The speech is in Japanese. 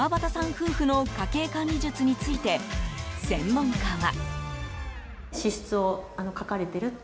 夫婦の家計管理術について専門家は。